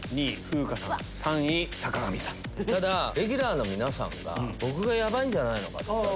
ただレギュラーの皆さんが僕がヤバいんじゃないかって。